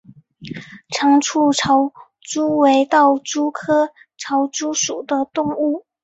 长触潮蛛为盗蛛科潮蛛属的动物。